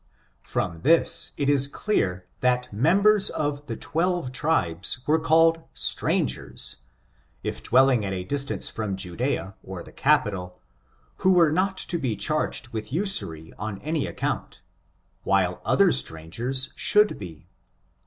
Ill Prom this it is clear that members of the twelve tribes were called strangers, if dwelling at a distance from Judea, or the capital, who were not to be charg ed with usury on any account, while other strangers should be.